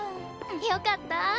よかった。